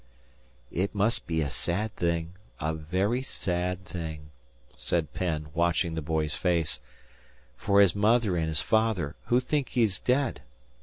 "It must be a sad thing a very sad thing," said Penn, watching the boy's face, "for his mother and his father, who think he is dead.